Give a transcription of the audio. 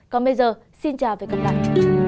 còn bây giờ xin chào và hẹn gặp lại